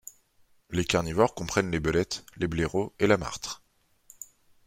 Les carnivores comprennent les belettes, les blaireaux et la martre.